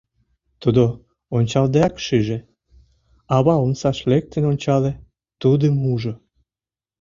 Тудо ончалдеак шиже: ава омсаш лектын ончале, тудым ужо.